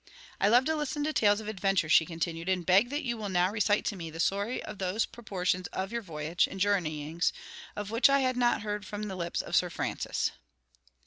"I love to listen to tales of adventure," she continued, "and beg that you will now recite to me the story of those portions of your voyage, and journeyings, of which I have not heard from the lips of Sir Francis."